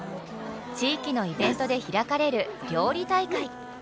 地域のイベントで開かれる料理大会。